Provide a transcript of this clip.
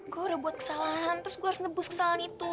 gue udah buat kesalahan terus gue harus nebus kesalahan itu